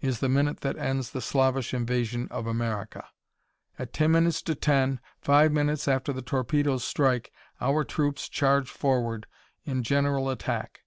is the minute that ends the Slavish invasion of America. At ten minutes to ten, five minutes after the torpedoes strike, our troops charge forward in general attack.